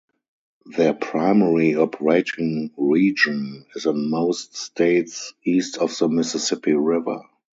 Their primary operating region is in most states east of the Mississippi River.